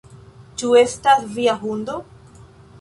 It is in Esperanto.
"Ĉu estas via hundo?"